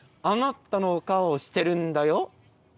あなたのお顔を知ってるんだよ。